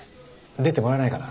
出てもらえないかな。